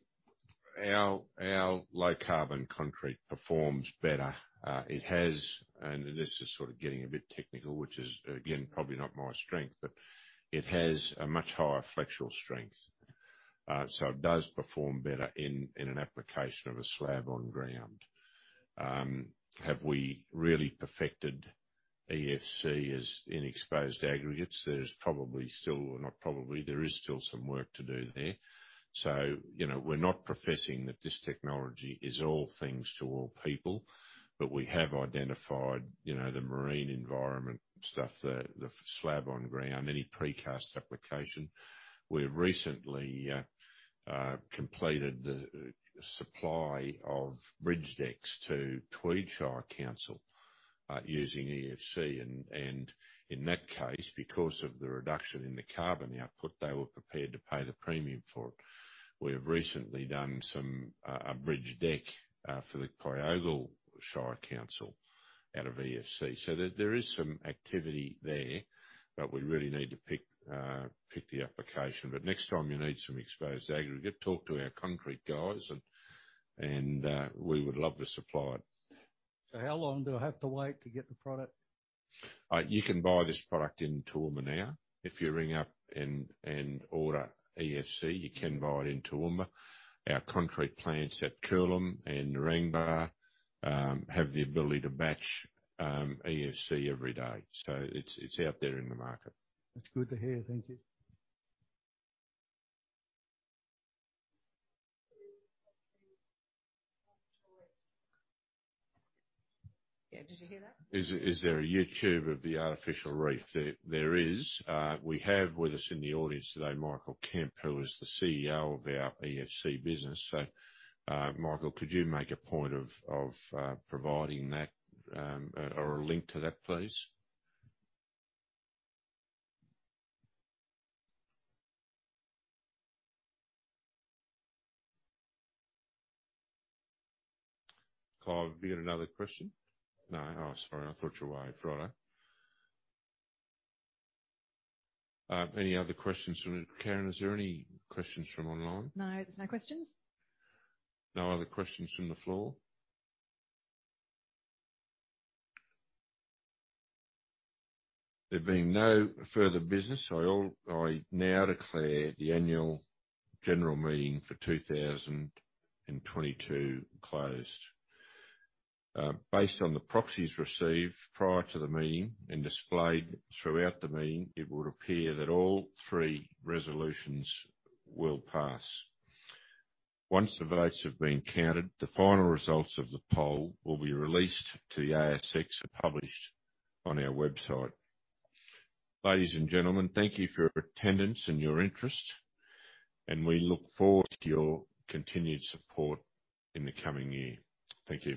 low carbon concrete performs better. It has, and this is sort of getting a bit technical, which is again, probably not my strength, but it has a much higher flexural strength. So it does perform better in an application of a slab on ground. Have we really perfected EFC as in exposed aggregates? There's still some work to do there. You know, we're not professing that this technology is all things to all people, but we have identified you know, the marine environment stuff, the slab on ground, any precast application. We recently completed the supply of bridge decks to Tweed Shire Council, using EFC and in that case, because of the reduction in the carbon output, they were prepared to pay the premium for it. We have recently done a bridge deck for the Gympie Regional Council out of EFC. There is some activity there, but we really need to pick the application. Next time you need some exposed aggregate, talk to our concrete guys and we would love to supply it. How long do I have to wait to get the product? You can buy this product in Toowoomba now. If you ring up and order EFC, you can buy it in Toowoomba. Our concrete plants at Coolum and Narangba have the ability to batch EFC every day. It's out there in the market. That's good to hear. Thank you. Yeah. Did you hear that? Is there a YouTube of the artificial reef? There is. We have with us in the audience today Michael Kemp, who is the Chief Executive Office of our EFC business. Michael, could you make a point of providing that or a link to that, please? Clive, have you got another question? No. Oh, sorry. I thought you waved. Righto. Any other questions from Karen? Is there any questions from online? No, there's no questions. No other questions from the floor? There being no further business, I now declare the annual general meeting for 2022 closed. Based on the proxies received prior to the meeting and displayed throughout the meeting, it would appear that all three resolutions will pass. Once the votes have been counted, the final results of the poll will be released to the ASX and published on our website. Ladies and gentlemen, thank you for your attendance and your interest, and we look forward to your continued support in the coming year. Thank you.